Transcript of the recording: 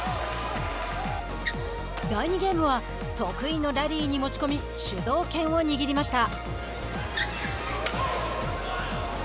第２ゲームは得意のラリーに持ち込み主導権を握りました。